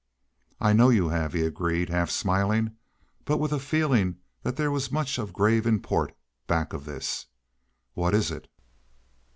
"I know you have," he agreed, half smiling, but with a feeling that there was much of grave import back of this. "What is it?"